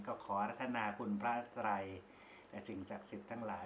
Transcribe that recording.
ก็ขอรัฐนาคุณพระไตรสิ่งศักดิ์สิทธิ์ทั้งหลาย